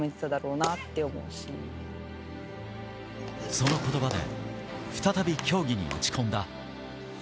その言葉で再び競技に打ち込んだ。